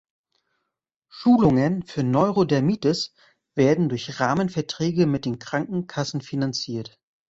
Schulungen für Neurodermitis werden durch Rahmenverträge mit den Krankenkassen finanziert.